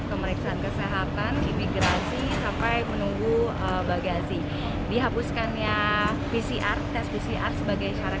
pemeriksaan kesehatan imigrasi sampai menunggu bagasi dihapuskannya pcr tes pcr sebagai syarat